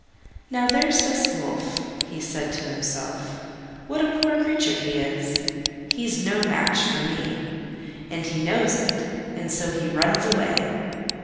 "Now, there's this Wolf," he said to himself, "what a poor creature he is: he's no match for me, and he knows it and so he runs away."